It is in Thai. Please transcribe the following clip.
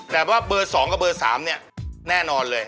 แต่ว่าเบอร์๒กับเบอร์๓เนี่ยแน่นอนเลย